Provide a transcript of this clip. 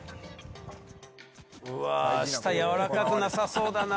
うわ下やわらかくなさそうだな。